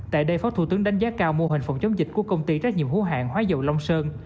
tại đây phó thủ tướng đánh giá cao mô hình phòng chống dịch của công ty trách nhiệm hữu hạng hóa dầu long sơn